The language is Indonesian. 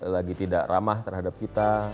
lagi tidak ramah terhadap kita